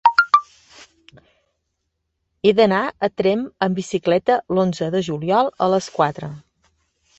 He d'anar a Tremp amb bicicleta l'onze de juliol a les quatre.